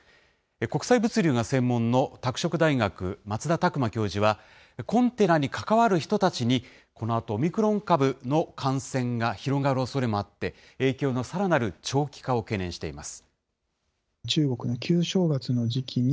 国際物流が専門の拓殖大学、松田琢磨教授は、コンテナに関わる人たちにこのあとオミクロン株の感染が広がるおそれもあって、影響のさらなる長期化を懸念しています。